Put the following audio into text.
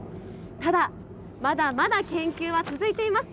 ただ、まだまだ研究は続いています。